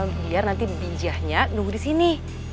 biar nanti bi ijanya nunggu disini